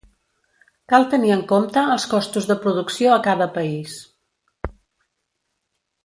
Cal tenir en compte els costos de producció a cada país.